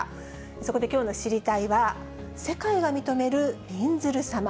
そこできょうの知りたいッ！は、世界が認めるびんずる様。